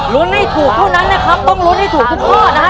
ให้ถูกเท่านั้นนะครับต้องลุ้นให้ถูกทุกข้อนะฮะ